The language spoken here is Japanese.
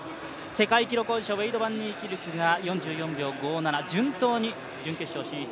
世界記録保持者ウェイド・バンニーキルクが４４秒５７順当に準決勝進出。